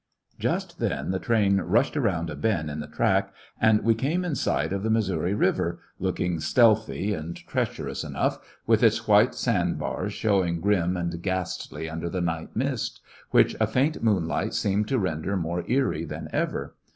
Just then the train rushed around a bend Standards of in the track, and we came in sight of the Mis souri Kiver, looking stealthy and treacherous enough, with its white sand bars showing grim and ghastly under the night mist, which a faint moonlight seemed to render more eerie than ever.